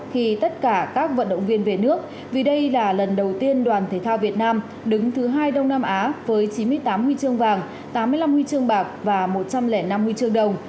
khi tất cả các vận động viên về nước vì đây là lần đầu tiên đoàn thể thao việt nam đứng thứ hai đông nam á với chín mươi tám huy chương vàng tám mươi năm huy chương bạc và một trăm linh năm huy chương đồng